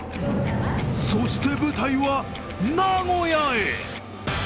そして、舞台は名古屋へ。